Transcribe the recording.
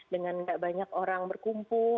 dengan tidak banyak orang berkumpul